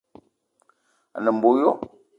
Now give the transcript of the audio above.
A ne mbo yo